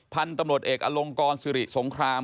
พันธุ์ตำรวจเอกอลงกรสิริสงคราม